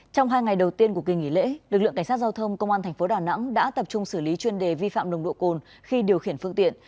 trong hai ngày đầu tiên của kỳ nghỉ lễ lực lượng cảnh sát giao thông công an tp đà nẵng đã tập trung xử lý chuyên đề vi phạm nồng độ cồn khi điều khiển phương tiện